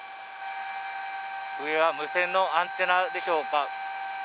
上は無線のアンテナでしょうか。